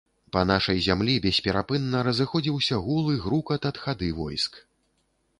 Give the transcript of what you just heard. Па нашай зямлі бесперапынна разыходзіўся гул і грукат ад хады войск.